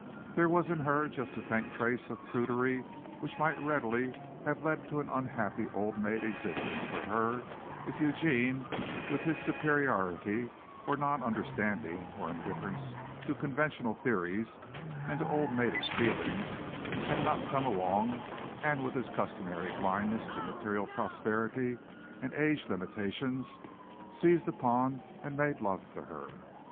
There was in her just a faint trace of prudery which might readily have led to an unhappy old maid existence for her if Eugene, with his superiority, or non understanding, or indifference to conventional theories and to old maidish feelings, had not come along and with his customary blindness to material prosperity and age limitations, seized upon and made love to her.